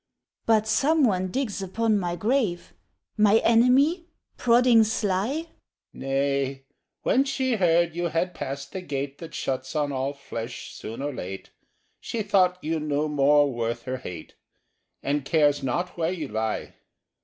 '" "But some one digs upon my grave? My enemy?—prodding sly?" —"Nay: when she heard you had passed the Gate That shuts on all flesh soon or late, She thought you no more worth her hate, And cares not where you lie."